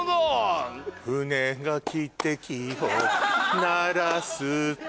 船が汽笛を鳴らす時